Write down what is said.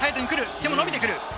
手も伸びてくる。